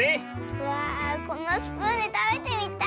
うわこのスプーンでたべてみたい。